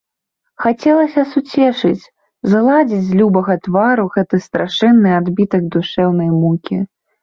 Хацелася суцешыць, згладзіць з любага твару гэты страшэнны адбітак душэўнай мукі.